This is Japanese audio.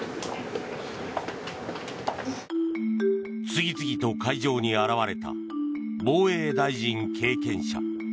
次々と会場に現れた防衛大臣経験者。